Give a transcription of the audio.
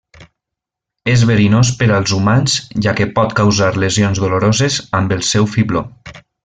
És verinós per als humans, ja que pot causar lesions doloroses amb el seu fibló.